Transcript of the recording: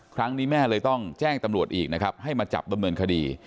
ครั้งนี้แม่เลยต้องแจ้งตำรวจอีกนะครับให้มาจับดำเนินคดี